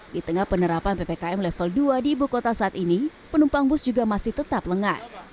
di tengah penerapan ppkm level dua di ibu kota saat ini penumpang bus juga masih tetap lengah